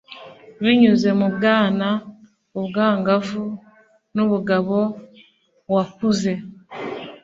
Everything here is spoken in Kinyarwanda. binyuze mu bwana, ubwangavu, nubugabo wakuze